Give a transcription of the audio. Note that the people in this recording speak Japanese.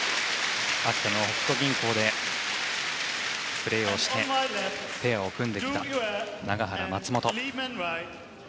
かつての北都銀行でプレーをしてペアを組んできた永原、松本。